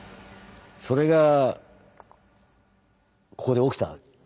それがここで起きた。